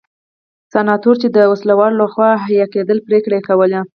سناتورانو چې د وسله والو لخوا حیه کېدل پرېکړې کولې.